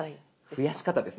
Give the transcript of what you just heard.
増やし方ですね。